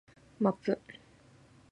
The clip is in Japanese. マップ